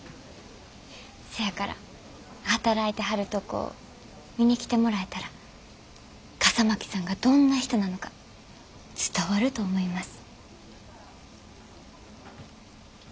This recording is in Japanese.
せやから働いてはるとこ見に来てもらえたら笠巻さんがどんな人なのか伝わると思います。